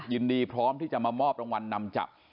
ยินดีพร้อมที่จะมามอบรางวัลนำจับ